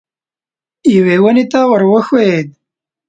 یوې ونې ته ور وښوېد.